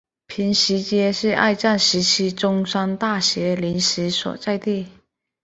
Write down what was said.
坪石街是二战时期中山大学临时所在地。